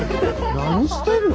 何してるの？